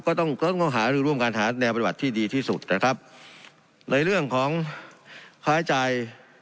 ก็ต้องก็ต้องหารือร่วมกันหาแนวปฏิบัติที่ดีที่สุดนะครับในเรื่องของค้าใจ